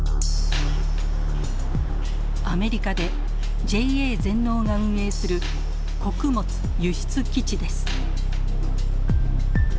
アメリカでＪＡ全農が運営する穀物輸出基地です。